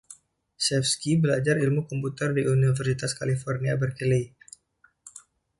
Chevsky belajar Ilmu Komputer di Universitas California Berkeley.